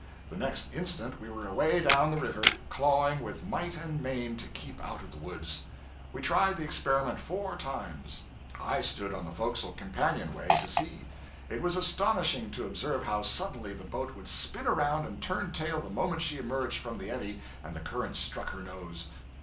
The next instant we were away down the river, clawing with might and main to keep out of the woods. We tried the experiment four times. I stood on the forecastle companion way to see. It was astonishing to observe how suddenly the boat would spin around and turn tail the moment she emerged from the eddy and the current struck her nose.